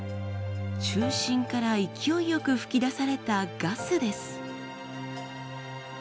中心から勢いよく噴き出されたガスです。